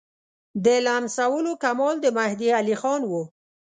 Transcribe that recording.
د لمسولو کمال د مهدي علیخان وو.